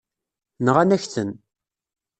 Nɣan-ak-ten.